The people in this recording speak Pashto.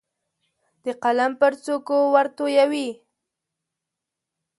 د قلم پر څوکو ورتویوي